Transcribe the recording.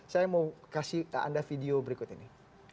saya mau kasih ke anda video berikut ini